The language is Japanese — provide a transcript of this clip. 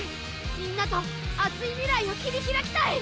みんなとアツい未来を切り開きたい！